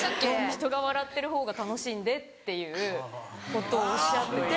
「人が笑ってる方が楽しいんで」っていうことをおっしゃってて。